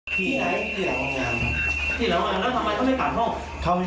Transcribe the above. ที่ไหนไปปล่อยเพราะที่ไหน